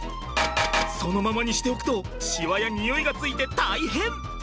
そのままにしておくとしわや臭いがついて大変！